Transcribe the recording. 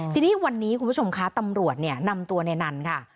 ทีนี้วันนี้คุณผู้ชมคะตำรวจเนี่ยนำตัวในนั้นค่ะ